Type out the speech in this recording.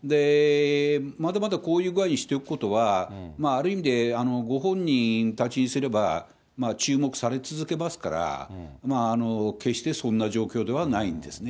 まだまだこういう具合にしておくことは、ある意味で、ご本人たちにすれば、注目され続けますから、決してそんな状況ではないんですね。